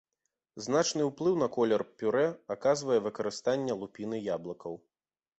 Значны ўплыў на колер пюрэ аказвае выкарыстанне лупіны яблыкаў.